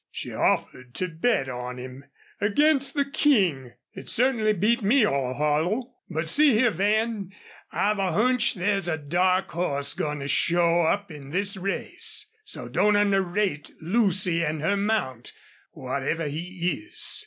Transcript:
She offered to bet on him against the King! It certainly beat me all hollow. But see here, Van. I've a hunch there's a dark hoss goin' to show up in this race. So don't underrate Lucy an' her mount, whatever he is.